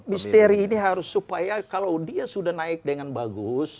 misteri ini harus supaya kalau dia sudah naik dengan bagus